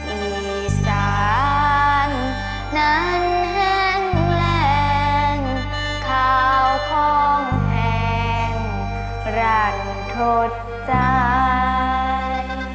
อีสานนั้นเห็นแรงข่าวของแห่งรัฐทดใจ